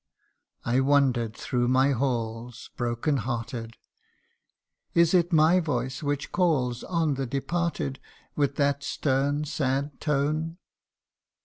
I wandered through my halls Broken hearted : Is it my voice which calls On the departed, With that stern, sad tone